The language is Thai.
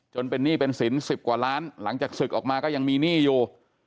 จนเป็นหนี้เป็นสิน๑๐กว่าล้านหลังจากศึกออกมาก็ยังมีหนี้อยู่